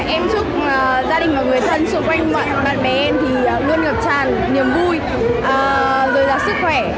em chúc gia đình và người thân xung quanh bạn bè em thì luôn được tràn niềm vui rồi là sức khỏe